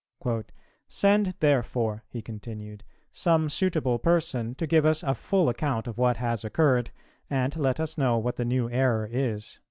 "Send therefore," he continued, "some suitable person to give us a full account of what has occurred, and let us know what the new error is."